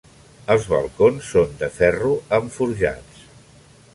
Els balcons són de ferro amb forjats.